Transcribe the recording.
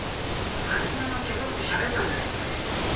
初めのうちはよくしゃべったんですけどね。